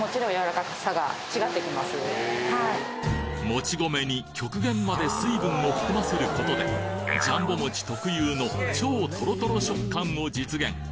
もち米に極限まで水分を含ませることでジャンボ餅特有の超トロトロ食感を実現